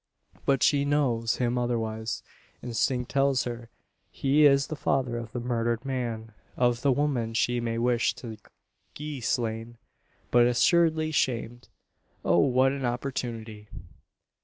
But she knows him otherwise. Instinct tells her he is the father of the murdered man of the woman, she may wish to gee slain, but assuredly, shamed. Oh! what an opportunity!